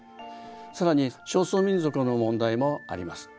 さらに少数民族の問題もあります。